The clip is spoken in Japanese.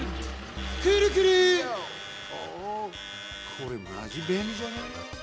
これマジべんりじゃね？